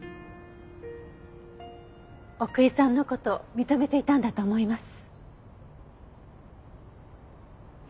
奥居さんの事認めていたんだと思います。